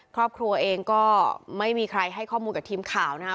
ครอบครัวเองก็ไม่มีใครให้ข้อมูลกับทีมข่าวนะครับ